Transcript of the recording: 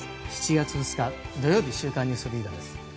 ７月２日、土曜日「週刊ニュースリーダー」です。